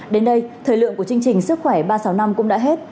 đến đây thời lượng của chương trình sức khỏe ba trăm sáu mươi năm cũng đã hết